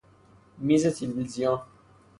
میز تلویزیون